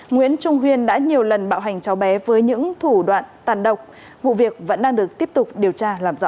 nguyễn trung huyên đã nhiều lần bạo hành cháu bé với những thủ đoạn tàn độc vụ việc vẫn đang được tiếp tục điều tra làm rõ